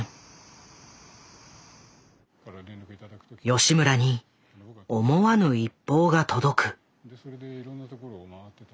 吉村に思わぬ一報が届く。